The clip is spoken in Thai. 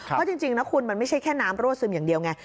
เพราะจริงนะคุณมันไม่ใช่แค่น้ำรั่วซึมอย่างเดียวไง